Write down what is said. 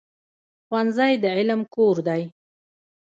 ښوونځی د علم کور دی.